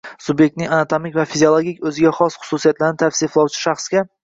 Subyektning anatomik va fiziologik o‘ziga xos xususiyatlarini tavsiflovchi shaxsga